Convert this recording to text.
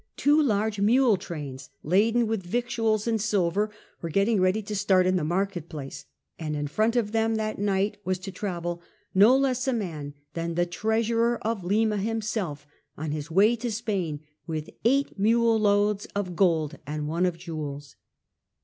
Two large mule trains laden with victuals and silver were getting ready to start in the market place, and in front of them that night was to travel no less a man than the Treasurer of Lima himself on his way to Spain, with eight mule loads of gold and one of jewels.